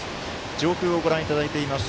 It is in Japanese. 上空をご覧いただいています。